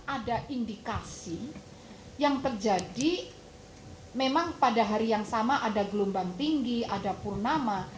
ada indikasi yang terjadi memang pada hari yang sama ada gelombang tinggi ada purnama